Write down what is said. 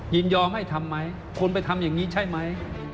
ยินยอมให้ทำไหมคนไปทำอย่างนี้ใช่ไหม